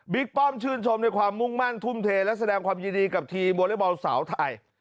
ป้อมชื่นชมในความมุ่งมั่นทุ่มเทและแสดงความยินดีกับทีมวอเล็กบอลสาวไทย